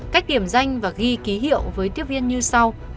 cách điểm danh và ghi ký hiệu với tiếp viên như sau